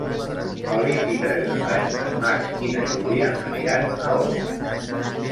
El vint-i-tres de maig en Max i na Júlia aniran a Òdena.